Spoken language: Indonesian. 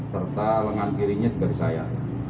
serta lengan kirinya juga disayang